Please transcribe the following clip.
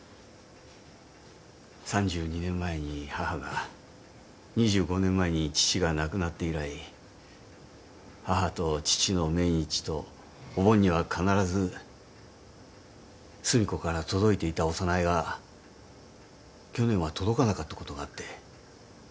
３２年前に母が２５年前に父が亡くなって以来母と父の命日とお盆には必ず寿美子から届いていたお供えが去年は届かなかったことがあって気になって。